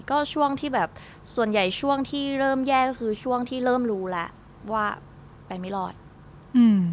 ก็ช่วงที่แบบส่วนใหญ่ช่วงที่เริ่มแย่ก็คือช่วงที่เริ่มรู้แล้วว่าไปไม่รอดอืม